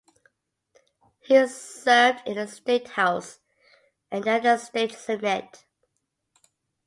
He served in the state house and then the state senate.